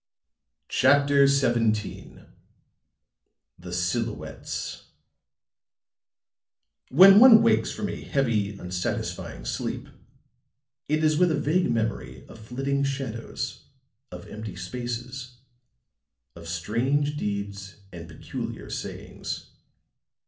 CHAPTER XVII THE SILHOUETTES When one wakes from a heavy, unsatisfying sleep, it is with a vague memory of flitting shadows, of empty spaces, of strange deeds and peculiar sayings.